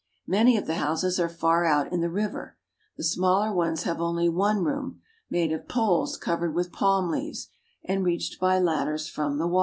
Many of the houses are far out in the river. The smaller ones have only one room, made of poles covered with palm leaves, and reached by ladders from the water.